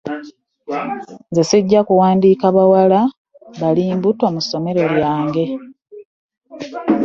Nze sijja kuwandika bawala bali mbuto mu ssomero lyange.